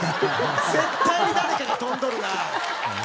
絶対に誰かがとんどるな。